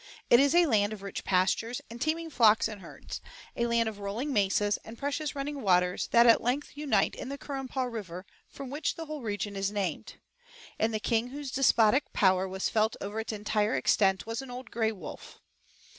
It is a land of rich pastures and teeming flocks and herds, a land of rolling mesas and precious running waters that at length unite in the Currumpaw River, from which the whole region is named. And the king whose despotic power was felt over its entire extent was an old gray wolf.